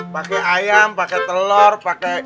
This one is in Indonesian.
pakai ayam pakai telur pakai